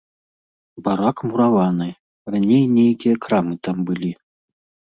Барак мураваны, раней нейкія крамы там былі.